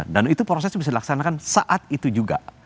dan itu proses bisa dilaksanakan saat itu juga